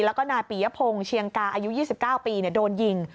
แล้วก็นายปียพงศ์เชียงกาอายุ๒๙ปีโดนยิง